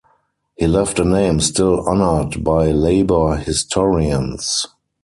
He left a name still honoured by labour historians.